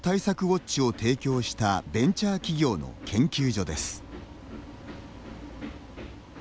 ウォッチを提供したベンチャー企業の研究所です。